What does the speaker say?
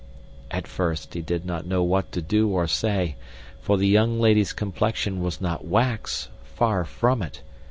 At first he did not know what to do or say, for the young lady's complexion was not wax far from it.